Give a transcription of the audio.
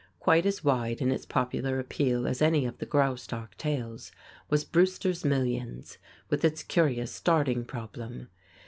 Quite as wide in its popular appeal as any of the Graustark tales was "Brewster's Millions," with its curious starting problem.